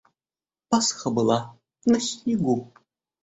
Пасха была на снегу.